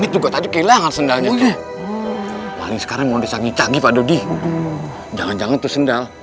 juga tadi kehilangan sendalnya sekarang mau dicari cari padodi jangan jangan itu sendal